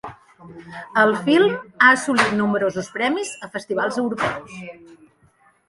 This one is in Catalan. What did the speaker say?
El film ha assolit nombrosos premis a festivals europeus.